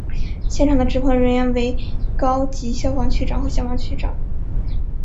现场的指挥人员为高级消防区长和消防区长。